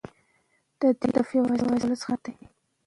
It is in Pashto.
د ده هدف یوازې د ولس خدمت دی.